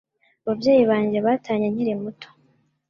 Ababyeyi banjye batanye nkiri muto